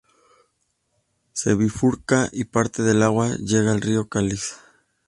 Se bifurca y parte del agua llega al río Kalix.